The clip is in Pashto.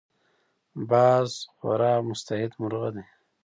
باز خورا مستعد مرغه دی